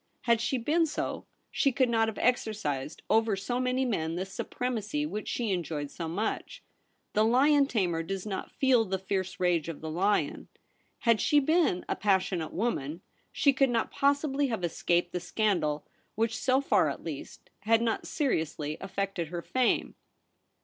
Had she been so, she could not have exercised over so many men the supremacy which she enjoyed so much. The lion tamer does not feel the fierce rage of the lion. Had she been a passionate woman, she could not possibly have escaped the scandal which, so far at least, had not seriously affected her fame.